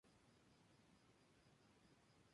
Es hermano menor de Kareem Rush.